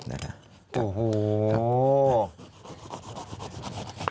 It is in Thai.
โอ้โห